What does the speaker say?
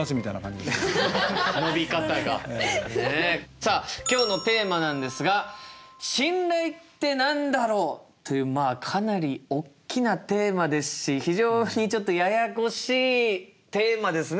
さあ今日のテーマなんですが「『信頼』って何だろう？」っていうかなりおっきなテーマですし非常にちょっとややこしいテーマですね